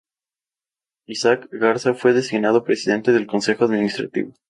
Isaac Garza fue designado presidente del Consejo Administrativo.